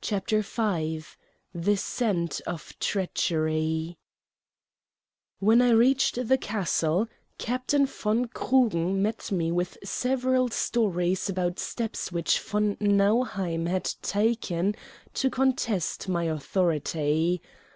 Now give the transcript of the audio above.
CHAPTER V THE SCENT OF TREACHERY When I reached the castle, Captain von Krugen met me with several stories about steps which von Nauheim had taken to contest my authority.